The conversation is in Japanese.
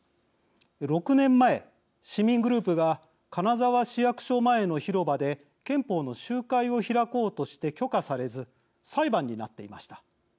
６年前、市民グループが金沢市役所前の広場で憲法の集会を開こうとして許可されず裁判になっていました。